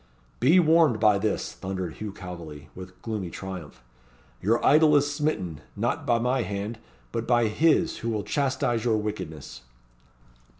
"Be warned by this," thundered Hugh Calveley, with gloomy triumph. "Your idol is smitten not by my hand, but by His who will chastise your wickedness."